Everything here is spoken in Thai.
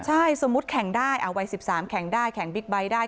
ใช่สมมุติแข่งได้วัย๑๓แข่งได้แข่งบิ๊กไบท์ได้